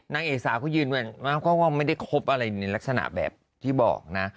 นางเอกสาวเขายืนก็ว่าไม่ได้คบอะไรในลักษณะแบบที่บอกนะ